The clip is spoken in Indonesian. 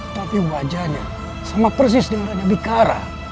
tapi wajahnya sama persis dengan raden abikara